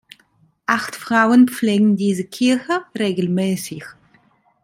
Acht Frauen pflegen diese Kirche regelmäßig.